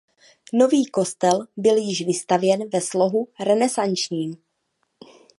Nový kostel byl již vystavěn ve slohu renesančním.